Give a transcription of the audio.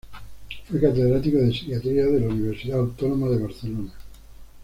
Fue catedrático de psiquiatría de la Universidad Autónoma de Barcelona.